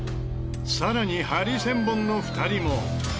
さらにハリセンボンの２人も。